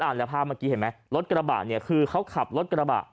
แล้วภาพเมื่อกี้เห็นไหมรถกระบะเนี่ยคือเขาขับรถกระบะ